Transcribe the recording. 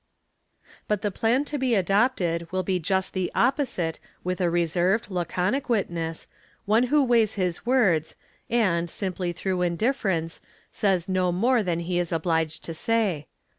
But the plan to be adopted will be just the opposite, with a reserved, laconic witness, one who weighs his words and, simply through indiffer ence, says no more than he is obliged to say.